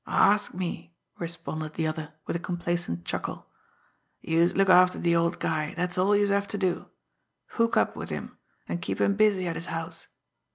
"Ask me!" responded the other, with a complacent chuckle. "Youse look after de old guy, dat's all youse have ter do. Hook up wid him, an' keep him busy at his house.